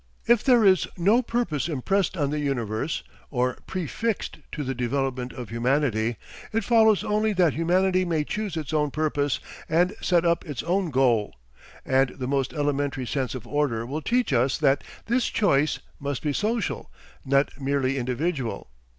If there is no purpose impressed on the universe, or prefixed to the development of humanity, it follows only that humanity may choose its own purpose and set up its own goal; and the most elementary sense of order will teach us that this choice must be social, not merely individual.